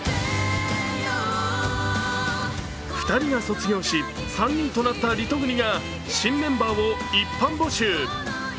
２人が卒業し、３人となったリトグリが新メンバーを一般募集。